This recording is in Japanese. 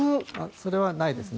それはないですね。